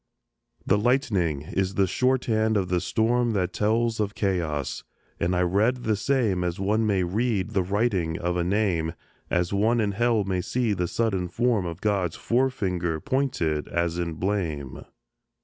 The lightning is the shorthand of the storm That tells of chaos; and I read the same As one may read the writing of a name, As one in Hell may see the sudden form Of God's fore finger pointed as in blame.